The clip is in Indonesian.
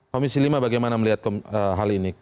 komisi lima bagaimana melihat hal ini